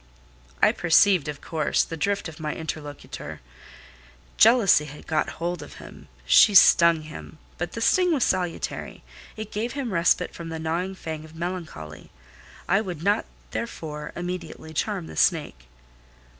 I perceived, of course, the drift of my interlocutor. Jealousy had got hold of him: she stung him; but the sting was salutary: it gave him respite from the gnawing fang of melancholy. I would not, therefore, immediately charm the snake.